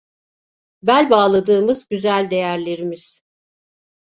Bel bağladığımız güzel değerlerimiz?